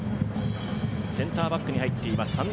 センターバックに入っています